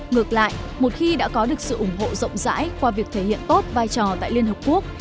ngược lại một khi đã có được sự ủng hộ rộng rãi qua việc thể hiện tốt vai trò tại liên hợp quốc